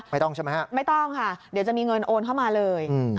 ใช่ไหมฮะไม่ต้องค่ะเดี๋ยวจะมีเงินโอนเข้ามาเลย